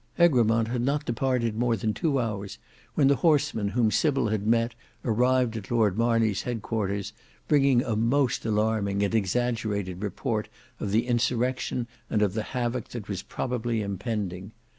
Egremont had not departed more than two hours when the horsemen whom Sybil had met arrived at Lord Marney's headquarters, bringing a most alarming and exaggerated report of the insurrection and of the havoc that was probably impending.